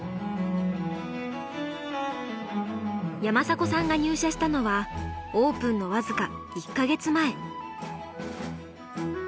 山迫さんが入社したのはオープンのわずか１か月前。